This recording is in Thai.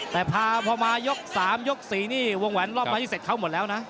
แต่พอมายก๓ยก๔นี่วงแหวนรอบมาที่เสร็จเขาหมดแล้วนะ